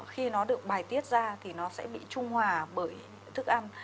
khi nó được bài tiết ra thì nó sẽ bị trung hòa bởi thức ăn